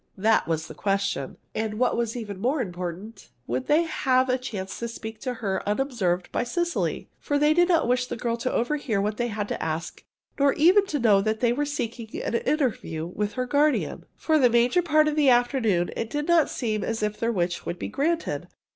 That was the question. And, what was even more important, would they have a chance to speak to her unobserved by Cecily? For they did not wish the girl to overhear what they had to ask, nor even to know that they were seeking an interview with her guardian. For the major part of the afternoon it did not seem as if their wish would be granted.